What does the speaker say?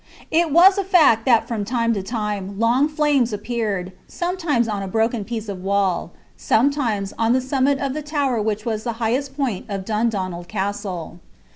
It was a fact that from time to time long flames appeared, sometimes on a broken piece of wall, sometimes on the summit of the tower which was the highest point of Dundonald Castle.